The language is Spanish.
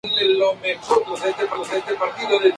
Habita en Vietnam, Malaya, Borneo y Nueva Guinea.